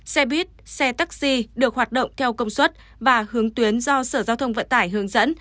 xe buýt xe taxi được hoạt động theo công suất và hướng tuyến do sở giao thông vận tải hướng dẫn